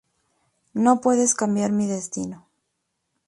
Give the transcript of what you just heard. No puedes cambiar mi destino"".